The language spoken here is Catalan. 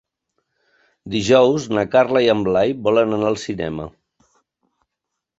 Dijous na Carla i en Blai volen anar al cinema.